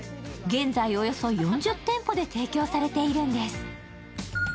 現在およそ４０店舗で提供されているんです。